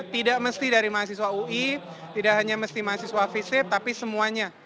tidak mesti dari mahasiswa ui tidak hanya mesti mahasiswa visit tapi semuanya